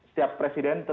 setiap presiden terjadi